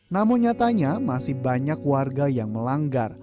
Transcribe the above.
namun nyatanya masih banyak warga yang melanggar